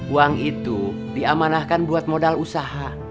uang itu diamanahkan buat modal usaha